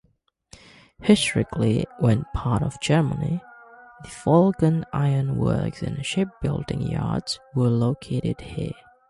Historically, when part of Germany, the Vulcan iron-works and shipbuilding yards were located here.